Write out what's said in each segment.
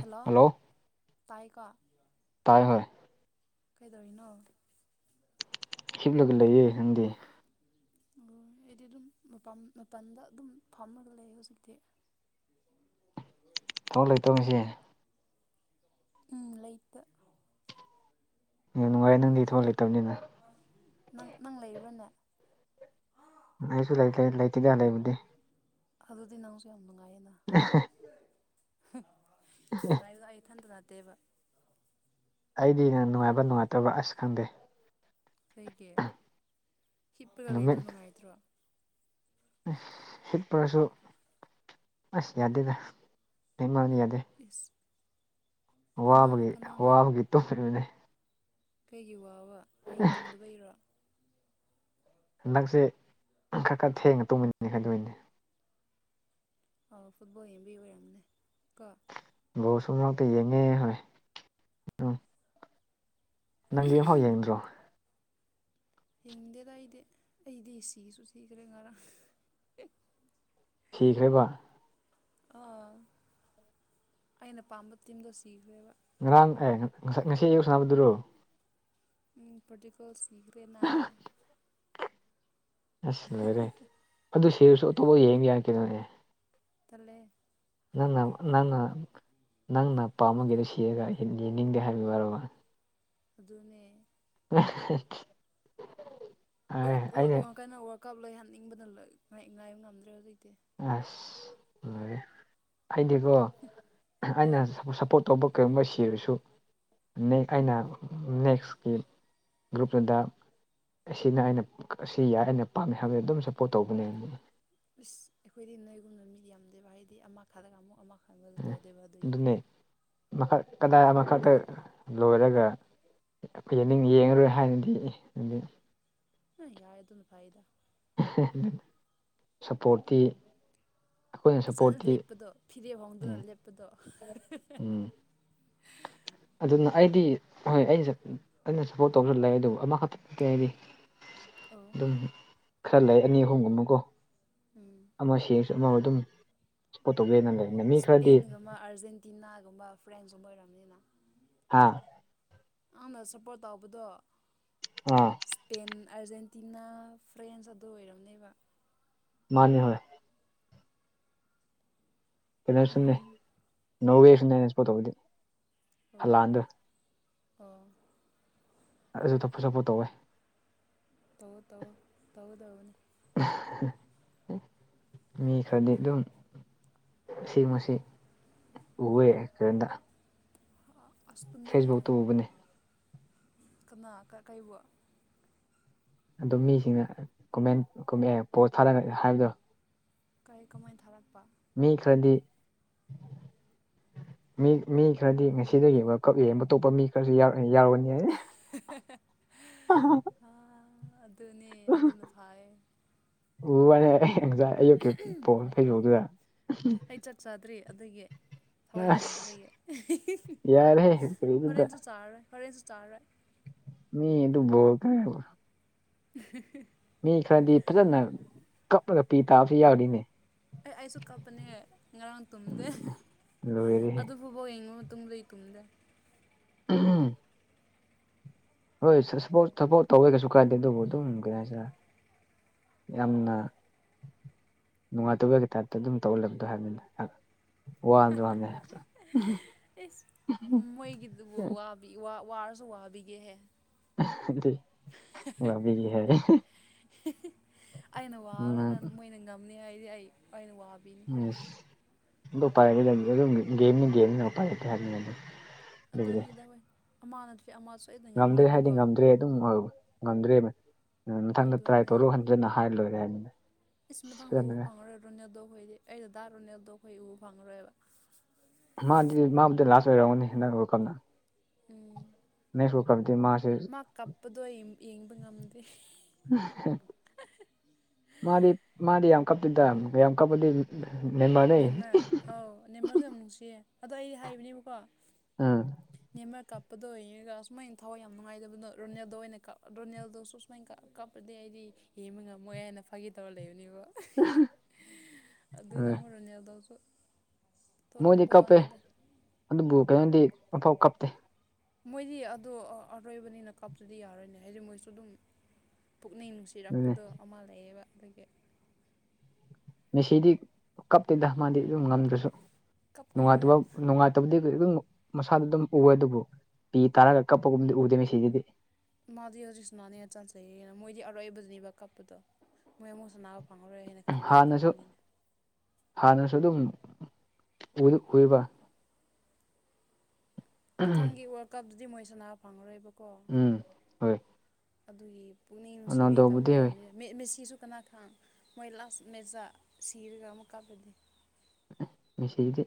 hello ꯇꯥꯏꯀꯣ ꯇꯥꯏ ꯍꯣꯏ ꯀꯩꯗꯧꯔꯤꯅꯣ ꯍꯤꯞꯂꯒ ꯂꯩꯌꯦ ꯍꯗꯤ ꯑ ꯑꯩꯗꯤ ꯑꯗꯨꯝ ꯃꯄꯥꯟꯗ ꯑꯗꯨꯝ ꯐꯝꯃꯒ ꯂꯩ ꯍꯧꯖꯤꯛꯇꯤ [inaudible] ꯊꯃꯛ ꯂꯩ ꯇꯧꯉꯁꯤꯦ ꯎꯝ ꯂꯩꯇ ꯌꯥꯝ ꯅꯨꯡꯉꯥꯏꯔꯦ ꯅꯪꯗꯤ ꯏ ꯊꯣꯛ ꯂꯩꯇꯕꯅꯤꯅ ꯅꯪ ꯅꯪ ꯂꯩꯕ꯭ꯔꯥꯅꯦ ꯑꯩꯁꯨ ꯂꯩꯇꯦ ꯂꯩꯇꯗ ꯂꯩꯕꯨꯗꯤ ꯑꯗꯨꯗꯤꯅꯁꯨ ꯑ ꯍꯣ ꯅꯨꯡꯉꯥꯏꯕꯗꯣ ꯑꯩ ꯏꯊꯟꯗ ꯇꯗꯦꯕ ꯑꯩꯗꯤ ꯅꯨꯡꯉꯥꯏꯕ ꯅꯨꯡꯉꯥꯏꯇꯕ ꯑꯁ ꯈꯪꯗꯦ ꯀꯩꯒꯤ ꯍꯤꯠꯄꯒ ꯂꯩꯕꯣ ꯅꯨꯡꯉꯥꯏꯇ꯭ꯔꯣ ꯍꯤꯠꯄꯔꯁꯨ ꯑꯁ ꯌꯥꯗꯦꯗ ꯍ ꯃꯔꯗꯤ ꯌꯥꯗꯦ ꯏꯁꯁ ꯋꯥꯕꯒꯤ ꯋꯥꯕꯒꯤ ꯇꯨꯝꯕꯅꯦ ꯀꯩꯒꯤ ꯋꯥꯕ ꯑꯍꯤꯡ ꯇꯨꯝꯗꯕ ꯏꯔꯣ ꯍꯟꯗꯛꯁꯦ ꯈꯔ ꯈꯔ ꯊꯦꯡꯅ ꯇꯨꯝꯃꯤꯟꯅꯅꯤ ꯈꯗꯣꯏꯅꯦ ꯑ ꯐꯨꯠꯕꯣꯜ ꯌꯦꯡꯕꯤ ꯑꯣꯏꯔꯝꯅꯦ ꯀꯣ ꯑꯣ ꯁꯨꯝ ꯃꯔꯛꯇ ꯌꯦꯡꯉꯦ ꯍꯣꯏ ꯎꯝ ꯅꯪꯒꯤ ꯑꯃꯦꯝꯐꯥꯎ ꯌꯦꯡꯗ꯭ꯔꯣ ꯍꯗꯗ ꯑꯩꯗ ꯑꯩꯗꯁꯤꯁꯨꯨꯁꯤ ꯀꯔꯦꯡ ꯉꯔꯥꯡ ꯁꯤꯈ꯭ꯔꯦꯕ ꯑꯥ ꯑꯩꯅ ꯄꯥꯝꯕ ꯇꯤꯝꯗꯣ ꯁꯤꯈ꯭ꯔꯦꯕ ꯉꯔꯥꯡ ꯑꯦ ꯉ ꯉꯁꯤ ꯌꯌꯨ ꯁꯥꯟꯅꯕꯗꯨꯔꯣ ꯄꯣꯇꯀ ꯁꯤꯈꯗꯅ ꯑꯁ ꯂꯣꯏꯔꯦ ꯑꯗꯨ ꯁꯤꯔꯁꯨ ꯑꯇꯣꯞꯄ ꯌꯦꯡ ꯌꯥꯔ ꯀꯗꯣꯅꯦ ꯇꯂꯦ ꯅ ꯅ ꯅꯅ ꯅꯪꯅ ꯄꯥꯝꯃꯒꯦꯗꯨ ꯁꯤꯔꯒ ꯌꯦꯡꯅꯤꯡꯗꯦ ꯍꯥꯏꯕ ꯋꯥꯔꯕ ꯑꯗꯨꯅꯦ [inaudible] ꯑꯩꯅ ꯀꯩꯅꯣ ꯋꯥꯔꯜ ꯀꯞ ꯂꯣꯏ ꯍꯥꯅꯤꯡꯕꯅ ꯉꯥꯏꯕ ꯉꯝꯗ꯭ꯔꯦ ꯍꯧꯖꯤꯛꯇꯤ ꯑꯁ ꯂꯩ ꯍꯥꯏꯗꯤꯀꯣ ꯑꯩꯅ ꯑꯥ ꯁꯞꯄꯣꯔꯠ ꯇꯧꯕ ꯀꯔꯤꯒꯨꯝꯕ ꯁꯤꯔꯁꯨ ꯑꯩꯅ ꯅꯦꯛꯁꯀꯤ ꯒ꯭ꯔꯨꯞꯇꯨꯗ ꯁꯤꯅ ꯑꯩꯅ ꯑꯁꯤ ꯌꯥꯏ ꯑꯩꯅ ꯄꯥꯝꯃꯦ ꯍꯥꯏꯕꯗ ꯑꯗꯨꯝ ꯁꯞꯄꯣꯔꯠ ꯇꯧꯕꯅꯦ ꯏꯁꯁ ꯑꯩꯈꯣꯏꯗꯤ ꯅꯣꯏꯒꯨꯝꯕꯅ ꯃꯤꯗꯤ ꯌꯥꯝꯗꯦꯕ ꯍꯥꯏꯗꯤ ꯑꯃ ꯈꯥꯔꯒ ꯑꯃꯨꯛ ꯑꯃ ꯈꯟꯕꯗꯣ ꯎ ꯇꯧꯗꯦꯕ ꯑꯗꯨꯒꯤ ꯑꯗꯨꯅꯦꯛ ꯀꯗꯥꯏ ꯑꯃꯈꯛꯇ ꯂꯣꯏꯔꯒ ꯈ ꯑꯩꯈ ꯑꯅꯤꯡ ꯌꯦꯡꯉꯔꯣꯏ ꯍꯥꯏꯅꯗꯤ ꯑꯗꯨꯗꯤ ꯑ ꯌꯥ ꯑꯗꯨꯅ ꯐꯥꯏꯗ ꯁꯞꯄꯣꯔꯠꯇꯤ ꯑꯩꯈꯣꯏꯅ ꯐꯖꯅ ꯁꯞꯄꯣꯔꯠꯇꯤ ꯂꯦꯞꯄꯗꯣ ꯐꯤꯔꯦꯞ ꯎꯝ ꯐꯥꯎꯗꯅ ꯂꯦꯞꯄꯗꯣ ꯎꯝ ꯑꯗꯨꯅ ꯑꯩꯗꯤ ꯍꯣꯏ ꯑꯩꯅ ꯑꯩꯅ ꯁꯞꯄꯣꯔꯠ ꯇꯧꯁꯨ ꯂꯩ ꯑꯗꯨꯕꯨ ꯑꯃꯈꯛꯇ ꯅ ꯍꯥꯏꯗꯤ ꯑꯣ ꯑꯗꯨꯝ ꯈꯔ ꯂꯩ ꯑꯅꯤ ꯑꯍꯨꯝꯒꯨꯝꯕꯀꯣ ꯎꯝ ꯑꯃ ꯁꯤꯔꯁꯨ ꯆꯠ ꯃ ꯑꯗꯨꯝ ꯇꯧꯒꯦꯅ ꯂꯩꯕꯅꯦ ꯃꯤ ꯈꯔꯗꯤ ꯏꯁꯄꯦꯟꯒꯨꯝꯕ ꯑꯥꯔꯖꯦꯟꯇꯤꯅꯥꯒꯨꯝꯕ ꯐ꯭ꯔꯥꯟꯁꯀꯨꯝꯕ ꯑꯣꯏꯔꯕꯅꯤꯅ ꯍꯥꯥ ꯑꯪꯅ ꯁꯞꯄꯣꯔꯠ ꯇꯧꯕꯗꯣ ꯑꯥ ꯏꯁꯄꯦꯟ ꯑꯥꯔꯖꯦꯟꯇꯤꯅꯥ ꯐ꯭ꯔꯦꯟꯁ ꯑꯗꯨ ꯑꯣꯏꯔꯝꯅꯦꯕ ꯃꯥꯅꯤ ꯍꯣꯏ ꯀꯩꯅꯣ ꯁꯨꯝꯅꯤ ꯎꯝ ꯅꯧꯋꯦ ꯁꯅꯦ ꯅꯁꯄꯣ ꯇꯧꯕꯗꯤ ꯑꯣ ꯍꯜꯂꯛꯑꯥꯟꯗ ꯑꯣ ꯑꯗꯨ ꯊꯐ ꯁꯐꯨ ꯇꯧꯋꯦ ꯇꯧ ꯇꯧ ꯇꯧꯗꯧꯅꯤ ꯃꯤ ꯈꯔꯗꯤ ꯑꯗꯨꯝ ꯁꯤꯁꯤ ꯎꯕꯦ ꯀꯔꯗ ꯑꯁ ꯇꯨꯝꯅꯤꯡꯉꯦꯍꯦ ꯐꯦꯁꯕꯨꯛꯇ ꯎꯕꯅꯦ ꯀꯅꯥ ꯀꯕꯨ ꯑꯗꯨ ꯃꯤꯁꯤꯡꯅ ꯀꯃꯦꯟ ꯀ ꯄꯣꯁ ꯊꯥꯔ ꯍꯥꯏꯕꯗꯣ ꯀꯩ ꯀꯃꯣꯏ ꯊꯔꯥꯛꯄ ꯃꯤ ꯈꯔꯗꯤ ꯃꯤ ꯃꯤ ꯈꯔꯗꯤ ꯉꯁꯤꯗꯒꯤ ꯀꯛ ꯌꯦ ꯑꯇꯣꯞꯄ ꯃꯤ ꯈꯔꯁꯨ ꯌꯥꯔ ꯌꯥꯎꯒꯅꯤ ꯍꯥꯏ ꯑꯗꯨꯅꯤ ꯑꯗꯨꯅ ꯐꯥꯏ ꯎ ꯋꯥꯅꯦ ꯑꯩ ꯉꯁꯥꯏ ꯑꯌꯨꯛꯀꯤ ꯄꯣ [unintelligible] ꯑꯗꯒꯤ ꯊꯋꯥꯏ ꯑꯁ ꯅꯨꯡꯉꯥꯏꯗꯨꯗꯒꯤ ꯌꯥꯔꯦꯍꯦ ꯀꯔꯤꯅꯣꯗ ꯍꯣꯔꯦꯟꯁꯨ ꯆꯥꯔꯔꯣꯏ ꯐꯔꯦꯁꯨ ꯆꯥꯔꯦ ꯃꯤꯗꯨ ꯣ ꯀꯦꯕ ꯎ ꯃꯤ ꯈꯔꯗꯤ ꯐꯖꯅ ꯀꯞꯂꯒ ꯄꯤ ꯇꯥꯕꯁꯨ ꯌꯥꯎꯔꯤꯅꯦ ꯑꯦ ꯑꯩꯁꯨ ꯀꯞꯄꯅꯦ ꯉꯔꯥꯡ ꯇꯨꯝꯗꯦ ꯂꯣꯏꯔꯦꯍꯦ ꯑꯗꯨ ꯐꯥꯎꯕꯧ ꯌꯦꯡꯉꯨ ꯇꯨꯡꯂꯣꯏ ꯇꯨꯡꯗ ꯎꯝ ꯍꯣꯏ ꯁꯄꯣꯔꯠ ꯁꯄꯣꯔꯠ ꯇꯧꯋꯦ ꯀꯩꯁꯨ ꯀꯥꯏꯗꯦ ꯑꯗꯨꯕꯨ ꯑꯗꯨꯝ ꯀꯩꯅ ꯍꯥꯏꯁꯤꯔꯦ ꯌꯥꯝꯅ ꯅꯨꯡꯉꯥꯏꯇꯕꯒꯤ ꯇꯥꯏꯞꯇ ꯑꯗꯨꯝ ꯇꯧꯍꯜꯂꯕꯗꯣ ꯍꯥꯏꯕꯅꯤ ꯃꯣꯏꯒꯤꯗꯨꯕꯨ ꯋꯥꯕꯤ ꯋꯥ ꯋꯥꯔꯁꯨꯋꯥꯕꯤꯒꯦ ꯍꯥꯏꯦ ꯉꯕꯤ ꯍꯥꯏ ꯑꯩꯅ ꯋꯥꯔꯒꯥꯟ ꯃꯣꯏꯅ ꯉꯝꯅꯤ ꯍꯥꯏꯗꯤ ꯑꯩ ꯑꯩꯅ ꯋꯥ ꯑꯗꯨ ꯄꯥꯏꯔꯅꯤ ꯑꯗꯨꯝ ꯒꯦꯝꯅꯤ ꯦꯝꯅꯤ ꯄꯥꯏꯔꯀꯦ ꯍꯥꯏꯅꯤꯡ ꯑꯗꯨ ꯑꯗꯨꯅꯤꯗ ꯍ ꯑꯃꯅ ꯉꯝꯗ꯭ꯔꯦ ꯍꯥꯏꯗꯤ ꯉꯝꯗ꯭ꯔꯦ ꯑꯗꯨꯝ ꯉꯝꯗ꯭ꯔꯦꯕ ꯃꯊꯪꯗ ꯇ꯭ꯔꯥꯏ ꯑꯗꯨꯅꯦ ꯇꯧꯔꯛ ꯈꯟꯖꯅ ꯍꯥꯏ ꯂꯣꯏꯔꯦ ꯍꯥꯏꯕꯅꯦ ꯏꯁ ꯃꯊꯪꯗ ꯎꯕ ꯐꯪꯉꯔꯣꯏ ꯔꯣꯅꯦꯜꯗꯣ ꯈꯣꯏꯗꯤ ꯑꯩꯗ ꯗꯥ ꯔꯣꯅꯦꯜꯗꯣ ꯈꯣꯏ ꯎꯕ ꯐꯪꯉꯔꯦꯕ ꯃꯥ ꯑꯗꯨꯗꯤ ꯃꯥꯕꯨꯗꯤ ꯂꯥꯁ ꯑꯣꯏꯔꯝꯅꯤ ꯍ ꯀꯅ ꯎꯝ ꯃꯥꯁꯦ ꯃꯥ ꯀꯞꯄꯗꯣ ꯑꯩ ꯌꯦꯡꯕ ꯉꯝꯗꯦ ꯃꯥꯗꯤ ꯃꯥꯗꯤ ꯌꯥꯝ ꯀꯞꯗ ꯌꯥꯝ ꯀꯄꯗꯤ ꯅꯦꯝꯃꯔ ꯑꯥꯎ ꯅꯦꯝꯃꯔꯁꯨ ꯌꯥꯝ ꯅꯨꯡꯁꯤꯌꯦ ꯑꯗꯣ ꯑꯩ ꯍꯥꯏꯕꯅꯦꯕꯀꯣ ꯎꯝ ꯀꯄ ꯀꯞꯄꯗ ꯑꯣꯏꯔꯒ ꯑꯨꯃꯥꯏꯅ ꯊꯋꯥꯏ ꯌꯥꯝꯅ ꯅꯨꯡꯉꯥꯏꯗꯕꯗꯣ ꯔꯣꯅꯦꯜꯗ ꯑꯣꯏꯅ ꯀ ꯔꯣꯅꯦꯜꯗꯁꯨ ꯁꯨꯃꯥꯏꯅ ꯀ ꯀꯞꯄꯗꯤ ꯑꯩꯗꯤ ꯌꯦꯡꯕ ꯉꯝꯃꯣꯏ ꯍꯥꯏꯅ ꯐꯥꯦ ꯇꯧꯔ ꯂꯩꯕꯅꯦꯕ ꯑꯗꯨ [inaudible] ꯍꯔꯦꯜꯗꯁꯨ ꯃꯣꯏꯗꯤ ꯀꯞꯄꯦ ꯑꯗꯨꯕꯨ ꯀꯩꯅꯣꯗꯤ ꯑꯐꯥꯎ ꯀꯞꯇꯦ ꯃꯣꯏꯗꯤ ꯑꯗꯨꯣ ꯑꯔꯣꯏꯕꯅꯤꯅ ꯀꯞꯇꯗꯤ ꯌꯥꯔꯣꯏꯅꯦ ꯍꯥꯏꯗꯤ ꯃꯣꯏꯁꯨ ꯑꯗꯨꯝ ꯄꯨꯛꯅꯤꯡ ꯑꯗꯨꯅꯦ ꯅꯨꯡꯁꯤꯔꯛꯄꯗꯣ ꯑꯃ ꯂꯩꯌꯦꯕ ꯑꯗꯒꯤ ꯉꯁꯤꯗꯤ ꯀꯞꯇꯦꯗ ꯃꯥꯗꯤ ꯑꯗꯨꯝ ꯉꯝꯗ꯭ꯔꯁꯨ ꯀꯞꯀꯅꯤ ꯅꯨꯡꯉꯥꯏꯇꯕ ꯍꯣꯔꯦꯟ ꯅꯨꯡꯉꯥꯏꯇꯕꯗꯤꯝ ꯃꯁꯥꯗ ꯑꯗꯨꯝ ꯎꯑꯦ ꯑꯗꯨꯕꯨ ꯄꯤ ꯇꯥꯔꯒ ꯀꯞꯄꯒꯨꯝꯕꯗꯤ ꯎꯗꯦ ꯃꯤ ꯁꯤꯁꯤꯗꯤ ꯃꯥꯗꯤ ꯍꯧꯖꯤꯛꯁꯅꯥꯅꯦꯅ ꯆꯥꯟꯖꯩꯌꯦꯅ ꯃꯣꯏꯗꯤ ꯑꯔꯣꯏꯕꯗꯨꯅꯦꯕ ꯀꯞꯄꯗꯣ ꯃꯣꯏ ꯑꯃꯨꯛꯁꯨꯅꯥ ꯐꯪꯉꯔꯣꯏ ꯍꯥꯏꯅ ꯈꯟꯕꯤ ꯍꯥꯟꯅꯁꯨ ꯀꯄꯅꯤꯅ ꯍꯥꯟꯅꯁꯨ ꯑꯗꯨꯝ ꯎꯏꯕ ꯃꯊꯪꯒꯤ ꯋꯥꯔꯜ ꯀꯞꯇꯗꯤ ꯃꯣꯏ ꯁꯅꯥ ꯐꯪꯉꯔꯣꯏꯕ ꯎꯝ ꯍꯣꯏ ꯑꯗꯨꯒꯤ ꯄꯨꯛꯅꯤꯡ ꯅꯨꯡꯁꯤꯕ ꯀꯥꯞꯄ ꯔꯣꯅꯥꯜꯗꯣꯕꯨꯗꯤ ꯍꯣꯏ ꯑꯣꯏꯔꯕꯝꯅꯤꯅ ꯃꯦꯁꯤꯁꯨ ꯀꯅꯥꯈꯥꯡ ꯃꯣꯏ ꯂꯥꯁ ꯃꯦꯖ ꯁꯤꯔꯒ ꯑꯃꯨꯛ ꯀꯥꯞꯂꯗꯤ ꯁꯗ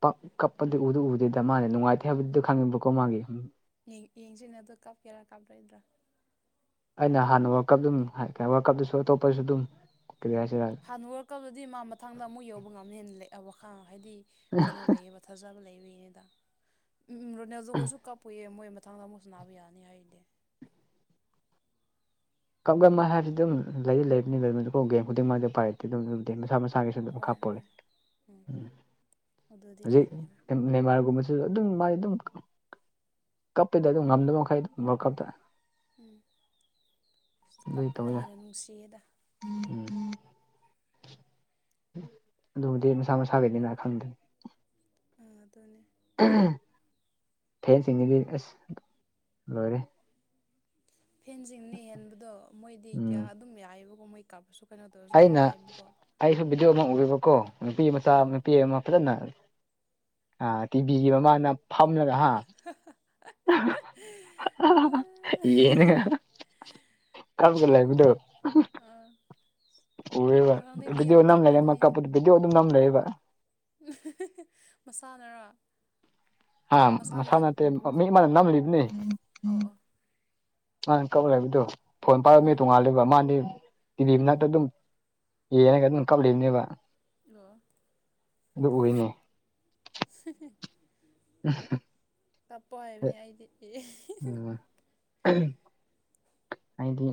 ꯄ ꯀꯞꯄꯗꯤ ꯎꯗꯨ ꯎꯗꯦꯗ ꯃꯥꯅꯦ ꯅꯨꯡꯉꯥꯏꯇꯦ ꯍꯥꯏꯕꯗꯨꯗ ꯈꯪꯅꯤꯡꯕꯀꯣ ꯃꯥꯒꯤ ꯌꯦꯡꯁꯤꯅ ꯑꯗꯨ ꯀꯥꯞꯀꯦꯔꯥ ꯀꯥꯞꯂꯣꯏꯗ꯭ꯔꯥ ꯑꯩꯅ ꯍꯥꯟꯅ ꯋꯥꯔꯀꯞ ꯑꯗꯨꯝ ꯋꯥꯔꯀꯞꯇꯁꯨ ꯑꯇꯣꯞꯄꯁꯨ ꯑꯗꯨꯝ ꯀꯔꯤ ꯍꯥꯏꯁꯤꯔ ꯍꯥꯟꯅ ꯑꯣꯏꯔꯛꯀꯗꯨꯗꯤ ꯃꯥ ꯃꯊꯪꯗ ꯑꯃꯨꯛ ꯌꯧꯕ ꯉꯝꯅꯦꯅ ꯂꯩꯑ ꯋꯥꯈꯥ ꯍꯥꯏꯗꯤ ꯀꯩꯅꯣ ꯂꯩꯕ ꯊꯥꯖꯕ ꯂꯩꯔꯤꯅꯤꯗ ꯎꯝ ꯔꯣꯅꯦꯜꯗꯣꯈꯣꯏꯁꯨ ꯀꯥꯄꯨꯏꯑ ꯃꯣꯏ ꯃꯊꯥꯡꯗ ꯃꯨꯁ ꯅꯥꯕ ꯌꯥꯅꯤ ꯍꯥꯏꯗꯤꯦ ꯀꯞ ꯍꯥꯏꯔꯗꯤ ꯑꯗꯨꯝ ꯂꯩ ꯂꯩꯕꯅꯤꯅ ꯒꯦꯝ ꯈꯨꯗꯤꯡꯃ ꯄꯥꯏꯔꯝꯦ ꯃꯁꯥ ꯃꯁꯥ ꯏꯁꯥꯒꯤꯁꯨ ꯑꯗꯨꯝ ꯍꯣꯏ ꯈꯥꯞꯄꯣꯦ ꯍꯣꯏ ꯎꯝ ꯎ ꯑꯗꯨꯗꯤ ꯍꯧꯖꯤꯛ ꯂꯩꯕꯅꯦ ꯅꯦꯃꯥꯔꯒꯨꯝꯕꯕꯁꯤ ꯑꯗꯨ ꯑꯗꯨꯝ ꯃꯥꯥꯏ ꯑꯗꯨꯝ ꯀꯞꯄꯗ ꯑꯗꯨꯝ ꯉꯝꯗꯕ ꯃꯈꯩ ꯑꯗꯨꯝ ꯀꯞꯇ ꯎꯝ ꯑꯗꯨꯏ ꯀꯞꯄꯅ ꯇꯧꯋꯤꯗ ꯍꯦꯟꯅ ꯅꯨꯡꯁꯤꯌꯦꯗ ꯎꯝ ꯑꯗꯨꯕꯨꯗꯤ ꯃꯁꯥ ꯃꯁꯥꯒꯤꯅꯤꯅ ꯈꯪꯗꯦ ꯑ ꯑꯗꯨꯅꯦ ꯐꯦꯟꯁꯤꯡꯁꯤꯗꯤ ꯑꯁ ꯂꯣꯏꯔꯦ ꯐꯦꯟꯁꯤꯡꯅ ꯍꯦꯟꯕꯗꯣ ꯃꯣꯏꯗꯤ ꯀꯌꯥ ꯎꯝ ꯑꯗꯨꯝ ꯌꯥꯏꯕꯀꯣ ꯃꯣꯏ ꯀꯥꯞꯄꯁꯨ ꯀꯩꯅꯣ ꯇꯧꯔꯁꯨ ꯑꯗꯨꯝ ꯌꯥꯏꯑꯕꯀꯣ ꯑꯗꯨ ꯑꯃ ꯎꯦꯕꯀꯣ ꯅꯨꯄꯤ ꯃꯆꯥ ꯑꯥ ꯅꯨꯄꯤ ꯑꯃ ꯐꯖꯅ ꯑ ꯇꯤꯚꯤꯒꯤ ꯃꯃꯥꯅ ꯐꯝꯅꯒ ꯍꯥ ꯌꯦꯅꯤꯡꯒ ꯑꯥ ꯀꯝꯒꯂꯕꯨꯗꯣ ꯑꯥ ꯉꯔꯥꯡꯗꯩ ꯃꯤ ꯎꯕ ꯌꯥꯝ ꯋꯥ ꯅꯝ ꯂꯩ ꯂ ꯃꯀꯥꯄꯖ ꯅꯝ ꯂꯩꯕ ꯃꯁꯥꯟꯅꯔ ꯍꯥꯥ ꯃꯁꯥꯟꯅꯥꯇ ꯃꯤ ꯃꯥꯅ ꯅꯝꯂꯤꯕ ꯅ ꯑꯧ ꯑꯧ ꯃꯥ ꯀꯛ ꯂꯩꯕꯗꯣ ꯐꯣꯟ ꯎꯝ ꯄꯥꯏꯔꯝꯃꯦ ꯇꯣꯡꯉꯥꯜꯂꯦꯕ ꯃꯥꯗꯤ ꯇꯤꯚꯤ ꯃꯅꯥꯛꯇ ꯑꯗꯨꯝ ꯌꯦꯅꯒ ꯑꯗꯨꯝ ꯀꯞꯂꯤꯕꯅꯦꯕ ꯑꯣ ꯑꯗꯨ ꯑꯣꯏꯅꯤ [unintelligible] ꯎ ꯇꯞꯄ ꯍꯥꯏꯕꯅꯦ ꯑꯩꯗꯤ ꯑꯦ ꯎꯝ ꯍꯥꯏꯗꯤ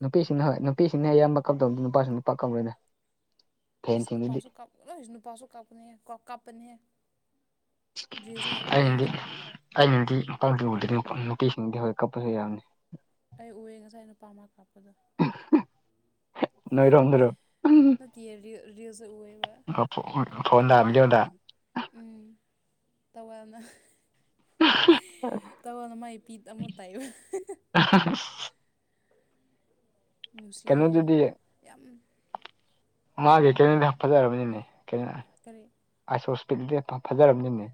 ꯅꯨꯄꯤꯁꯤꯅ ꯍꯣꯏ ꯅꯨꯄꯤꯁꯤꯅ ꯑꯌꯥꯝꯕ ꯀꯝꯗꯧꯗ ꯅꯨꯄꯥꯁꯨ ꯅꯨꯄꯥ ꯀꯧꯔꯣꯏꯅꯦ ꯑꯩꯁ ꯅꯨꯄꯥꯁꯨ ꯀ ꯑꯩꯁ ꯅꯨꯄꯥꯁꯨ ꯀꯥꯞꯄꯅꯦ ꯀꯣ ꯀꯥꯞꯄꯅꯦ ꯗ꯭ꯔꯤꯝꯁꯦ ꯌꯥꯝ ꯃꯔꯑꯦꯅꯁꯥꯏ ꯄ ꯎꯗ꯭ꯔꯦ ꯅꯨꯄꯤꯁꯤꯡꯗꯤ ꯍꯧ ꯀꯞꯄꯁꯨ ꯌꯥꯅꯤ ꯑꯩ ꯎꯑꯦ ꯉꯁꯥꯏ ꯅꯨꯄꯥꯃ ꯀꯥꯞꯄꯗꯣ ꯅꯣꯏꯔꯗꯔꯣ ꯅꯠꯇꯤꯌꯦ ꯔꯤꯜ ꯔꯤꯜꯁꯇ ꯎꯑꯦꯕ ꯐꯣꯟꯗꯗ ꯎꯝ ꯇꯋꯅ ꯇꯧꯕꯗ ꯃꯥꯏ ꯄꯤ ꯑꯃꯨꯛ ꯇꯥꯏꯕ ꯃꯨꯅꯨꯡꯁꯤꯌꯦ ꯀꯩꯅꯣꯗꯨꯗꯤ ꯌꯥꯝ ꯃꯥꯒꯤ ꯀꯦ ꯀꯔꯤ ꯐꯖꯔꯕꯅꯤꯅꯦꯁ ꯦ ꯐꯖꯔꯕꯅꯤꯅꯦ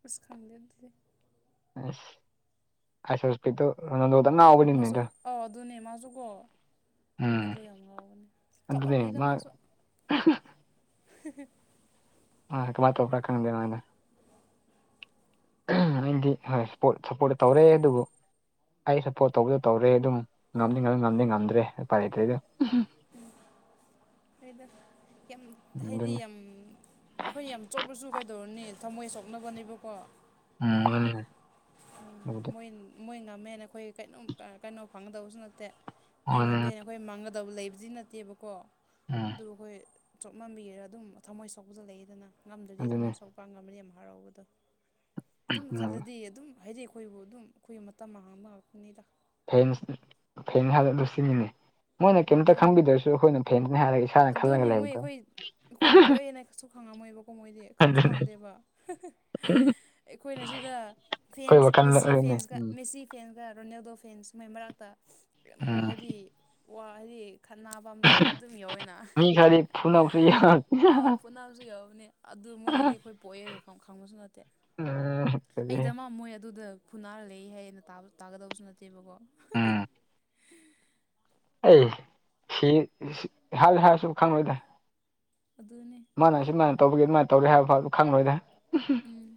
ꯄꯨꯁꯨ ꯈꯪꯗꯗꯦ ꯑ ꯑꯁꯁꯄꯤꯣ ꯃꯥꯁꯨ ꯑꯥꯎ ꯑꯗꯨꯅꯦ ꯃꯥꯁꯨ ꯀꯣ ꯎꯝ ꯗ ꯌꯥꯝ ꯃꯉꯥꯎꯕꯅꯤ ꯑꯗꯨꯅꯦ ꯂꯩꯗ ꯃꯥ ꯃꯥꯁꯨ [unintelligible] ꯑ ꯃꯥ ꯄ꯭ꯔꯈꯔꯗꯦꯅ ꯑꯩꯗꯤ ꯍꯣꯏꯄ ꯁꯞꯄꯣꯔꯠꯇ ꯇꯧꯔꯦ ꯑꯗꯨꯕꯨ ꯑꯩ ꯁꯞꯄꯣꯔꯠ ꯇꯧꯕꯗ ꯇꯧꯔꯦ ꯑꯗꯨꯝ ꯉꯝꯗꯤ ꯉ ꯉꯝꯗꯤ ꯉꯝꯗ꯭ꯔꯦ ꯎꯄꯥꯏ ꯂꯩꯇ꯭ꯔꯦꯗ ꯗ ꯌꯥꯝ ꯍꯥꯏꯗꯤ ꯑꯗꯨꯅꯤ ꯌꯥꯝ ꯑꯩꯈꯣꯏꯅ ꯌꯥꯝ ꯆꯣꯛꯄꯁꯨ ꯀꯩꯗꯧꯔꯅꯤ ꯊꯝꯃꯣꯏ ꯁꯣꯛꯅꯕꯅꯦꯕꯀꯣ ꯎꯝ ꯃꯣꯏ ꯃꯣꯏ ꯉꯝꯃꯦꯅ ꯑꯩꯈꯣꯏ ꯀꯩꯅꯣꯝ ꯀꯩꯅꯣ ꯐꯪꯒꯗꯕꯁꯨ ꯅꯠꯇꯦ ꯃꯣꯏ ꯉꯝꯗꯦꯅ ꯑꯩꯈꯣꯏ ꯃꯥꯡꯒꯗꯕ ꯂꯩꯕꯗꯤ ꯅꯠꯇꯦꯕꯀꯣ ꯑꯗꯨ ꯑꯩꯈꯣꯏ ꯆꯣꯞꯃꯝꯕꯤꯒꯔ ꯑꯗꯨꯝ ꯊꯝꯃꯣꯏ ꯁꯣꯛꯄꯗ ꯂꯩꯗꯅ ꯉꯝꯗ꯭ꯔꯗꯤ ꯑꯗꯨꯅꯦ ꯊꯝꯃꯣꯏ ꯁꯣꯛꯄ ꯉꯝꯝꯕꯗꯤ ꯌꯥꯝ ꯍꯔꯥꯎꯕꯗꯣ ꯑꯗꯨꯝ ꯎꯝ ꯈꯜꯂꯗꯤ ꯑꯗꯨꯝ ꯍꯥꯏꯗꯤ ꯑꯩꯈꯣꯏꯕꯨ ꯑꯗꯨꯝ ꯑꯩꯈꯣꯏ ꯃꯇꯝ ꯍꯥꯡꯕ ꯉꯛꯄꯅꯤꯗ ꯐꯦꯟ ꯐꯦꯟ ꯍꯥ ꯂꯁꯤ ꯃꯤꯅꯦ ꯃꯣꯏꯅ ꯀꯩꯝꯇ ꯑꯗꯨꯅꯤ ꯈꯪꯕꯤꯗ꯭ꯔꯁꯨ ꯑꯩꯈꯣꯏꯅ ꯐꯦꯟꯗꯅꯤ ꯍꯥꯏꯔꯒ ꯏꯁꯥꯅ ꯑꯗꯨꯅꯤ ꯈꯜꯂꯒ ꯃꯣꯏ ꯑꯩꯈꯣꯏ ꯑꯩꯈꯣꯏꯕꯨ ꯂꯩꯕꯗꯣ ꯄꯣꯛꯑꯦꯅꯁꯨ ꯈꯪꯉꯝꯃꯣꯏꯕꯀꯣ ꯃꯣꯏꯗꯤ ꯈꯪꯁꯨ ꯑꯗꯨꯅꯦ ꯈꯪꯗꯦꯕ ꯑꯩꯈꯣꯏꯅ ꯁꯤꯗ ꯑꯩꯈꯣꯏ ꯐꯦꯟꯁ ꯋꯥꯈꯜꯗ ꯃꯦꯁꯤ ꯑꯗꯨꯅꯦ ꯐꯦꯟꯁꯀ ꯃꯦꯁꯤ ꯐꯦꯟꯁ ꯔꯣꯅꯦꯜꯗꯣ ꯐꯦꯟ ꯁꯨꯃꯥꯏ ꯃꯔꯛꯇ ꯎꯝ ꯍꯥꯏꯗꯤ ꯈꯠꯅꯥ ꯄꯥꯝꯕꯤ ꯑꯗꯨꯝ ꯌꯥꯎ ꯑꯣꯏꯅ ꯃꯤ ꯈꯔꯗꯤ ꯐꯨꯅꯕꯁꯨ ꯌꯥꯎ ꯑꯥ ꯄꯣꯅꯥꯁꯨ ꯌꯥꯎꯕꯅꯦ ꯑꯗꯨ ꯃꯣꯏꯅꯗꯤ ꯑꯩꯈꯣꯏ ꯄꯣꯛꯑꯦ ꯈꯪꯕꯁꯨ ꯅꯠꯇꯦ ꯎꯝ ꯑꯗꯨꯗꯤ ꯑꯩꯗ ꯑꯃ ꯃꯣꯏ ꯑꯗꯨꯗ ꯐꯨꯅꯥꯔ ꯂꯩ ꯍꯥꯏ ꯑꯅ ꯇꯥꯒꯗꯕꯁꯨ ꯅꯠꯇꯦꯕꯀꯣ ꯎꯝ ꯑꯩ ꯁꯤ ꯍꯥꯏꯁꯨ ꯍꯥꯏꯔꯁꯨ ꯈꯪꯉꯣꯏꯗ ꯑꯗꯨꯅꯦ ꯃꯥꯅ ꯁꯨꯃꯥꯏꯅ ꯇꯧꯕꯒꯦ ꯑꯗꯨꯃꯥꯏꯅ ꯇꯧꯒꯦ ꯍꯥꯏꯕ ꯐꯥꯎꯗꯨ ꯈꯪꯂꯪꯂꯣꯏꯗ ꯎꯝ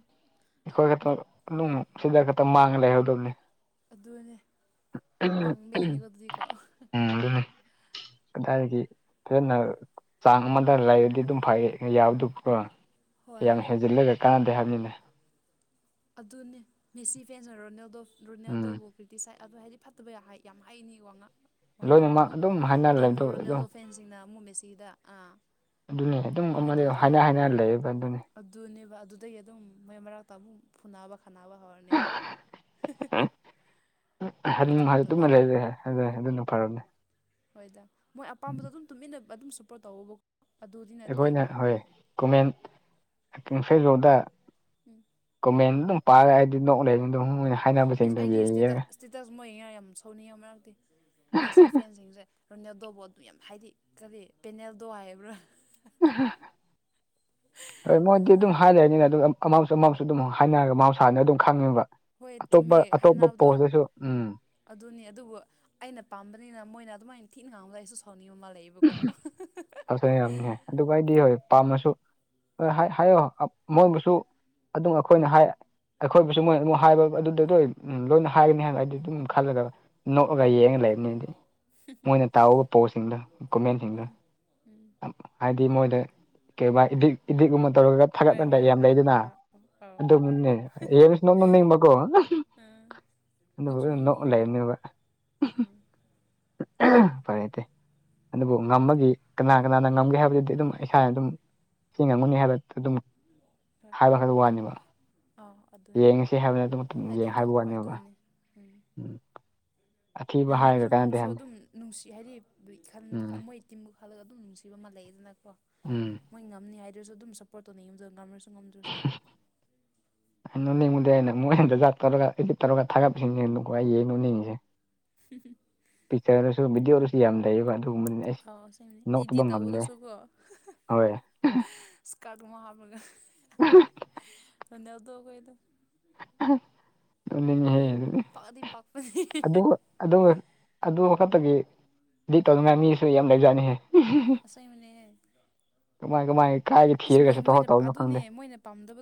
ꯑꯩꯈꯣꯏ ꯈꯛꯇ ꯅꯨꯡ ꯁꯤꯗ ꯈꯛꯇ ꯃꯥꯡꯉ ꯂꯩꯍꯧꯗꯕꯅꯤ ꯑꯗꯨꯅꯦ ꯄꯥꯡꯕꯩꯅꯤꯀꯣ ꯑꯗꯨꯗꯤꯀꯣ ꯑꯗꯨꯗꯥꯏꯗꯒꯤ ꯐꯖꯅ ꯆꯥꯡ ꯑꯃꯗ ꯂꯩꯔꯗꯤ ꯑꯗꯨꯝ ꯐꯔ ꯌꯥꯎꯗꯨ ꯍꯣꯏ ꯌꯥꯝ ꯍꯦꯟꯖꯤꯜꯂꯒ ꯀꯥꯟꯅꯗꯦ ꯍꯥꯏꯕꯅꯤꯅꯦ ꯑꯗꯨꯅꯦ ꯃꯦꯁꯤ ꯐꯦꯟ ꯑꯣꯏ ꯔꯣꯅꯦꯜꯗꯣ ꯎꯝ ꯔꯣꯅꯦꯜꯗꯣꯕꯨ ꯀ꯭ꯔꯤꯇꯤꯤꯁꯥꯏꯠ ꯑꯗꯣ ꯍꯥꯏꯗꯤ ꯐꯠꯇꯕ ꯌꯥꯝ ꯍꯩꯅꯤ ꯋꯥ ꯉꯥꯡ ꯋꯥꯉꯥꯡꯁꯤꯡ ꯂꯣꯏꯅꯃꯛ ꯑꯗꯨꯒ ꯑꯗꯨꯝ ꯍꯥꯏꯅꯔ ꯑꯗꯣ ꯂꯩꯕꯗꯣ ꯑꯃꯨꯛ ꯑꯗꯨꯝ ꯔꯣꯅꯦꯜꯗꯣ ꯐꯦꯟꯁꯤꯡꯅ ꯑꯃꯨꯛ ꯃꯦꯁꯤꯗ ꯑꯥ ꯑꯗꯨꯅꯦ ꯑꯗꯨꯝ ꯑꯗꯨꯃꯥꯏꯅ ꯑꯃꯗꯤ ꯇꯧꯕꯗ ꯍꯥꯏꯅ ꯑꯃꯨꯛ ꯍꯥꯏꯅ ꯂꯩꯌꯦꯕ ꯑꯗꯨꯅꯦ ꯑꯗꯨꯅꯦꯕ ꯑꯗꯨꯗꯒꯤ ꯑꯗꯨꯝ ꯃꯩ ꯃꯔꯛꯇ ꯑꯃꯨꯛ ꯐꯨꯅꯕ ꯈꯥꯅꯕ ꯍꯧꯔꯅꯤ ꯇꯨꯝꯅ ꯑꯣꯏꯊꯣꯛꯇꯕꯗ ꯂꯩꯔ ꯑꯗꯨ ꯑꯗꯨꯅ ꯐꯔꯕꯅꯦ ꯍꯣꯏꯗ ꯃꯣꯏ ꯑꯄꯥꯝꯕꯗꯣ ꯑꯗꯨꯝ ꯇꯨꯃꯤꯟꯅ ꯑꯗꯨꯝ ꯁꯞꯄꯣꯔꯠ ꯇꯧꯕꯋꯕꯀꯣ ꯑꯩꯈꯣꯏꯅ ꯍꯣꯏ ꯀꯣꯃꯦꯟ ꯐꯦꯁꯕꯨꯗ ꯎꯝ ꯃꯦꯟ ꯑꯗꯨꯝ ꯄꯥꯏꯔ ꯍꯥꯏꯗꯤ ꯅꯣꯛꯂꯦ ꯑꯗꯨꯝ ꯃꯣꯏꯅ ꯍꯥꯏꯅꯕꯁꯤꯡꯗꯣ ꯌꯦꯡ ꯁꯨꯝꯃꯣꯏ ꯉ ꯌꯥꯝ ꯁꯧꯅꯤꯡꯉ ꯃꯔꯛꯇꯤ ꯃꯦꯁꯤ ꯐꯦꯟꯁꯤꯡꯁꯦ ꯔꯣꯅꯦꯜꯗꯣꯕꯨ ꯑꯗꯨꯝ ꯌꯥꯝ ꯍꯥꯏꯗꯤ ꯀꯔꯤ ꯄꯦꯅꯦꯜꯗꯣ ꯍꯥꯏꯕ꯭ꯔꯥ ꯑꯃꯥꯎꯁꯨ ꯑꯃꯥꯎꯁꯨ ꯑꯗꯨꯝ ꯍꯥꯏꯅꯔꯒ ꯃꯥꯥꯎ ꯁꯥꯟꯅ ꯑꯗꯨꯝ ꯈꯪꯉꯤꯕ ꯍꯣꯏ ꯑꯇꯣꯞꯄ ꯆꯨꯝꯃꯦ ꯑꯇꯣꯞꯄ ꯍꯥꯏꯅꯕꯗꯣ ꯄꯣꯁꯇꯁꯨ ꯎꯝ ꯑꯗꯨꯅꯤ ꯑꯗꯨꯕꯨ ꯑꯩꯅ ꯄꯥꯝꯕꯅꯤꯅ ꯃꯣꯏꯅ ꯑꯗꯨꯃꯥꯏꯅ ꯊꯤꯛꯅ ꯉꯥꯡꯕꯒ ꯑꯩꯁꯨ ꯁꯥꯎ ꯐꯁ ꯌꯥꯝꯅꯦ ꯑꯗꯨꯒ ꯑꯩꯗꯤ ꯍꯣꯏ ꯄꯥꯝꯃꯁꯨ ꯍꯣꯏ ꯍꯥꯏꯌꯣ ꯃꯣꯏꯕꯨꯁꯨ ꯑꯗꯨꯝ ꯑꯩꯈꯣꯏꯅ ꯍꯥꯏ ꯑꯩꯈꯣꯏꯕꯨꯁꯨ ꯃꯣꯏꯅ ꯑꯃꯨꯛ ꯍꯥꯏꯕ ꯑꯗꯨꯗꯗ ꯂꯣꯏꯅ ꯍꯥꯏꯒꯅꯤ ꯍꯥꯏꯅ ꯑꯩꯗꯤ ꯑꯗꯨꯝ ꯈꯜꯂꯗꯕ ꯅꯣꯛꯑꯒ ꯎꯝ ꯌꯦꯡꯉ ꯂꯩꯕꯅꯤꯅꯗꯤ ꯃꯣꯏꯅ ꯇꯥꯛꯎꯕ ꯄꯣꯁꯤꯡꯗꯣꯣ ꯀꯨꯃꯦꯟꯁꯤꯡꯗꯣ ꯎꯝ ꯎꯝ ꯍꯥꯏꯗꯤ ꯃꯣꯗꯦ ꯀꯩꯒꯨꯝ ꯏꯗꯤꯛ ꯏꯗꯤꯛꯀꯨꯝꯕ ꯇꯧꯔꯒ ꯍꯣꯏ ꯊꯥꯒꯠꯅꯟꯗ ꯍꯣꯏ ꯌꯥꯝ ꯑꯥ ꯂꯩꯗꯅ ꯑꯥ ꯑꯥꯎ ꯑꯗꯨꯗ ꯃꯟꯅꯦ ꯌꯦꯁ ꯅꯣ ꯅꯅꯤꯡ ꯃꯒꯨ ꯑꯥ ꯑꯗꯨꯕꯨ ꯅꯣꯛꯁꯨ ꯅ ꯅꯣꯛꯅꯤꯡꯉꯦ ꯍꯣꯏ ꯂꯩꯔꯝꯅꯦꯕ ꯎꯝ ꯐꯔꯦꯗꯤꯦ ꯑꯗꯨꯕꯨ ꯉꯃꯒꯤ ꯀꯅꯥ ꯀꯅꯥꯅ ꯉꯝꯒꯦ ꯍꯥꯏꯕꯗꯨꯗꯤ ꯑꯗꯨꯝ ꯏꯁꯥꯅ ꯑꯗꯨꯝ ꯁꯤ ꯉꯝꯒꯨꯅꯤ ꯍꯥꯏꯕ ꯑꯗꯨꯝ ꯍꯣꯏ ꯍꯥꯏꯕ ꯈꯗ ꯑꯗꯨꯝ ꯋꯥꯅꯦꯕ ꯑꯥ ꯑꯗꯨꯅꯦ ꯌꯦꯡꯉꯁꯤ ꯍꯥꯏꯕꯅꯤ ꯑꯗꯨ ꯍꯥꯏꯗꯤ ꯌꯦꯡ ꯑꯗꯨꯝ ꯍꯥꯏꯕ ꯍꯣꯏ ꯋꯥꯅꯦꯕ ꯑꯗꯨꯅꯦ ꯎꯝ ꯑꯊꯤꯕ ꯉꯝꯗ꯭ꯔꯁꯨ ꯍꯥꯏꯔꯒ ꯀꯥꯟꯅꯗꯦ ꯉꯝꯃ꯭ꯔꯁꯨ ꯍꯥꯏꯕꯅꯤ ꯑꯗꯨꯝ ꯅꯨꯡꯁꯤ ꯍꯥꯏꯗꯤ ꯎꯝ ꯃꯣꯏ ꯇꯤꯝꯒ ꯈꯜꯂꯒ ꯑꯗꯨꯝ ꯅꯨꯡꯁꯤ ꯤꯕ ꯑꯃ ꯂꯩꯗꯅꯀꯣ ꯎꯝ ꯃꯣꯏ ꯉꯝꯅꯤ ꯍꯥꯏꯗꯨꯁꯨ ꯑꯗꯨꯝ ꯁꯞꯄꯣꯔꯠ ꯇꯧꯅꯤ ꯌꯨꯝꯗ ꯉꯝꯔꯁꯨ ꯉꯝꯗ꯭ꯔꯁꯨ ꯅꯨꯅꯤꯡꯉꯨꯗꯦ ꯑꯩꯅ ꯃꯣꯏ ꯍꯟꯗ ꯖꯥꯠ ꯇꯧꯔꯒ ꯏꯠ ꯇꯧꯔꯒ ꯊꯥꯒꯠꯄꯁꯤꯅꯦꯨꯀꯣ ꯑꯩꯌꯦꯦ ꯅꯨꯅꯤꯡꯉꯤꯁꯦ ꯄꯤꯆꯔꯁꯨꯤꯗꯤꯑꯣ ꯑꯣꯏꯔꯁꯨ ꯌꯥ ꯌꯥꯝ ꯊꯥꯏ ꯑꯥꯎ ꯁꯤꯅꯦ ꯏꯗꯤ ꯍꯣꯏ ꯇꯧꯕꯗꯁꯨꯀꯣꯀꯛ ꯍꯥ ꯑꯗꯨꯒ [unintelligible] ꯊꯗ ꯀꯣꯏꯗ ꯑꯗꯨ ꯍꯦ ꯑꯗꯨꯅꯤ ꯄꯥꯛꯗꯤ ꯄꯥꯛꯄꯅꯦ ꯑꯗꯨ ꯑꯗꯨ ꯑꯗꯨ ꯋꯥꯈꯛꯇꯒꯤ ꯗꯤ ꯇꯧꯅꯤꯡꯉꯥꯏ ꯃꯤꯁꯨ ꯌꯥꯝ ꯂꯩꯖꯥꯅꯤꯍꯦ ꯑꯁꯥꯏ ꯃꯅꯦ ꯀꯃꯥꯏ ꯀꯃꯥꯏ ꯀꯥꯏꯗ ꯏꯁꯣꯏ ꯊꯤꯔꯒꯁꯨ ꯇꯧ ꯃꯣꯏꯅ ꯇꯧꯕꯅꯣ ꯈꯪꯗꯦ ꯑꯗꯨꯅꯦ ꯃꯣꯏꯅ ꯄꯥꯝꯗꯕ